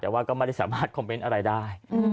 แต่ว่าก็ไม่ได้สามารถคอมเมนต์อะไรได้